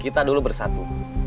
kita dulu bersatu